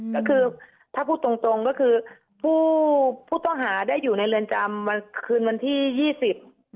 ก็คือถ้าพูดตรงตรงก็คือผู้ผู้ต้องหาได้อยู่ในเรือนจำวันคืนวันที่ยี่สิบ